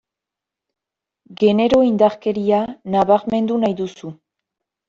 Genero indarkeria nabarmendu nahi duzu.